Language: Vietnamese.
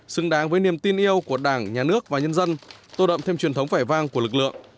xứng đáng với niềm tin yêu của đảng nhà nước và nhân dân tô đậm thêm truyền thống vẻ vang của lực lượng